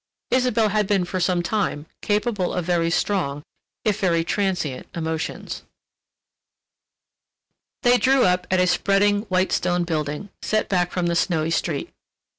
Isabelle had been for some time capable of very strong, if very transient emotions.... They drew up at a spreading, white stone building, set back from the snowy street.